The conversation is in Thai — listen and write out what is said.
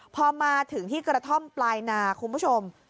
พอมาถึงที่กระท่อมปลายนาคุณผู้ชม